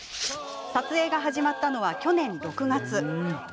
撮影が始まったのは去年６月。